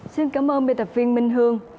xin cảm ơn biên tập viên minh hương